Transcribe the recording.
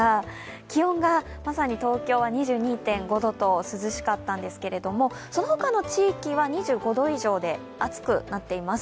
気温がまさに東京は２２．５度と涼しかったんですけれども、その他の地域は２５度以上で暑くなっています。